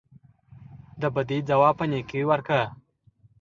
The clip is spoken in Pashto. د بدۍ ځواب په نیکۍ ورکړه.